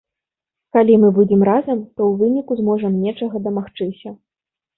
Калі мы будзем разам, то ў выніку зможам нечага дамагчыся.